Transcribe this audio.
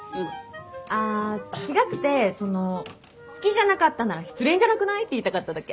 あ違くてその「好きじゃなかったなら失恋じゃなくない？」って言いたかっただけ。